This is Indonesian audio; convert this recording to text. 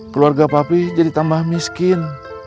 keluarga papi jadi tambah miskin